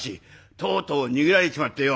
とうとう逃げられちまってよ。